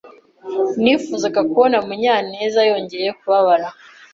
inifuzaga kubona Munyanezyongeye kubabara.